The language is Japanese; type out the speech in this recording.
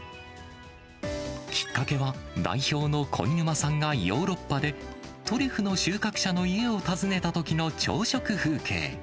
きっかけは代表の鯉沼さんがヨーロッパで、トリュフの収穫者の家を訪ねたときの朝食風景。